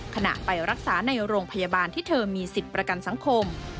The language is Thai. ขณะไปรักษาในโรงพยาบาลที่เธอมีสิทธิ์ประกันสังคม